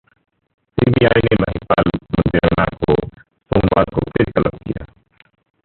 CBI ने महिपाल मदेरणा को सोमवार को फिर तलब किया